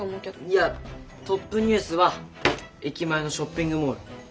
いやトップニュースは駅前のショッピングモール。